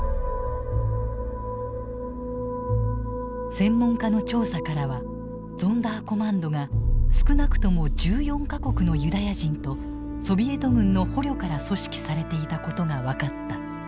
専門家の調査からはゾンダーコマンドが少なくとも１４か国のユダヤ人とソビエト軍の捕虜から組織されていたことが分かった。